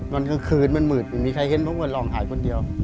กลางคืนมันมืดไม่มีใครเห็นเพราะว่าลองหายคนเดียว